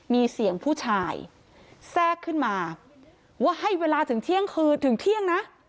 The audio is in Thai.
มีเสียงผู้ชายแทรกขึ้นมาว่าให้เวลาถึงเที่ยงคืนถึงเที่ยงนะ